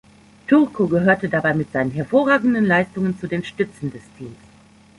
Turco gehörte dabei mit seinen hervorragenden Leistungen zu den Stützen des Teams.